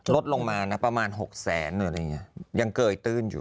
ลดลงมาประมาณ๖๐๐๐๐๐บาทยังเกย์ตื้นอยู่